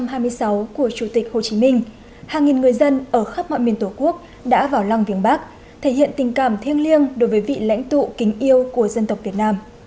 năm một nghìn chín trăm hai mươi sáu của chủ tịch hồ chí minh hàng nghìn người dân ở khắp mọi miền tổ quốc đã vào lăng viếng bác thể hiện tình cảm thiêng liêng đối với vị lãnh tụ kính yêu của dân tộc việt nam